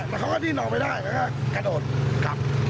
แล้วเขาก็ดิ้นออกไปได้เขาก็กระโดดครับ